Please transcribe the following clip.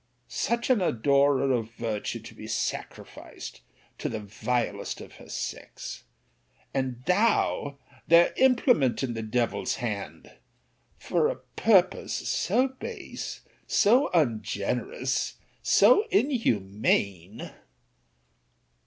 Such an adorer of virtue to be sacrificed to the vilest of her sex; and thou their implement in the devil's hand, for a purpose so base, so ungenerous, so inhumane!